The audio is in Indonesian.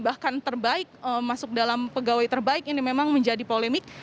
bahkan terbaik masuk dalam pegawai terbaik ini memang menjadi polemik